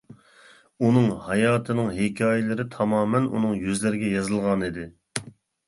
ئۇنىڭ ھاياتىنىڭ ھېكايىلىرى تامامەن ئۇنىڭ يۈزلىرىگە يېزىلغانىدى.